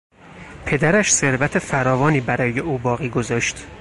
پدرش ثروت فراوانی برای او باقی گذاشت.